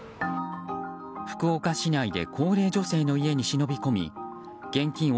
福岡市内で高齢女性の家に忍び込み現金